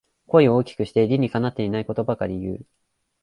声を大きくして理にかなってないことばかり言う